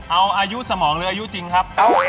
เอาอายุสมองหรืออายุจริงครับ